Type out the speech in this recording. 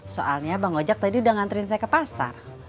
soalnya bang ojak tadi udah ngantriin saya ke pasar